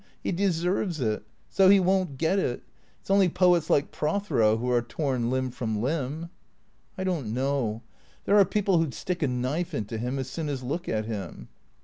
He deserves it. So he won't get it. It 's only poets like Prothero who are torn limb from limb." " I don't know. There are people who 'd stick a knife into him as soon as look at him."